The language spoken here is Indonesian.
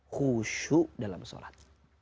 khusyuk dalam sholat